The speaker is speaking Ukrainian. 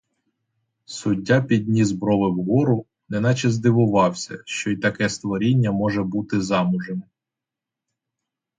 Суддя підніс брови вгору, неначе здивувався, що й таке створіння може бути замужем.